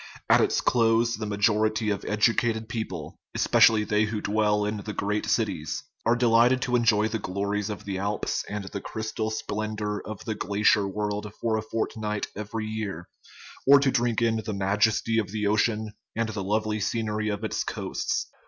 At its close the majority of educated people especially they who dwell in the great cities are delighted to enjoy the glories of the Alps and the crystal splendor of the glacier world for a fortnight every year, or to drink in the majesty of the ocean and the lovely scenery of its coasts.